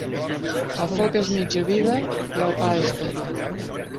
El foc és mitja vida i el pa és tota.